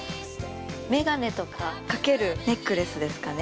眼鏡とかかけるネックレスですかね。